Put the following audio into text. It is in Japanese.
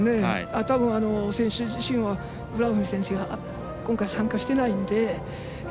たぶん、選手自身はブラーフミ選手が今回参加してないので。